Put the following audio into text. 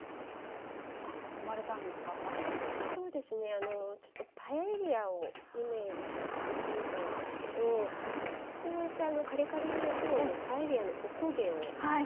あのちょっとパエリアをイメージして作ってみたんですけどこうやってカリカリに焼くのパエリアのお焦げを。